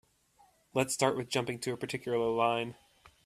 Let's start with jumping to a particular line.